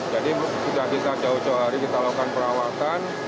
jadi kita bisa jauh jauh hari kita lakukan perawatan